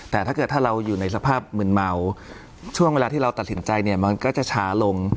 แต่ถ้าเกิดถ้าเราอยู่ในสภาพมืนเมาช่วงเวลาที่เราตัดสินใจเนี่ยมันก็จะช้าลง